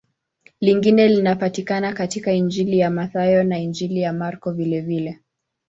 Lingine linapatikana katika Injili ya Mathayo na Injili ya Marko vilevile.